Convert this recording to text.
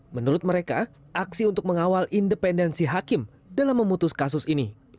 menurut mereka aksi untuk mengawal independensi hakim dalam memutus kasus ini